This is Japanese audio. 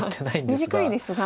短いですが。